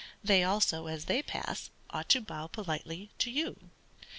They also, as they pass, ought to bow politely to you.